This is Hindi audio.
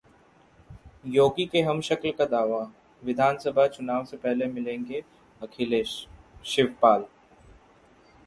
योगी के हमशक्ल का दावा- विधानसभा चुनाव से पहले मिलेंगे अखिलेश-शिवपाल